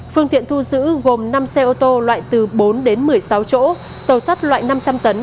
phương tiện thu giữ gồm năm xe ô tô loại từ bốn đến một mươi sáu chỗ tàu sắt loại năm trăm linh tấn